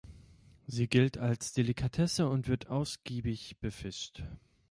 Sie gilt als Delikatesse und wird ausgiebig befischt.